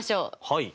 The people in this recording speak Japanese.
はい。